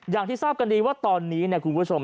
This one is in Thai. อย่างที่ทราบกันดีว่าตอนนี้เนี่ยคุณผู้ชม